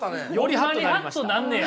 ホンマにハッとなんねや！